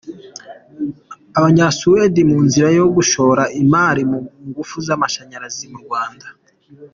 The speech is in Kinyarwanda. Abanyasuwedi mu nzira yo gushora imari mu ngufu z’amashanyarazi mu Rwanda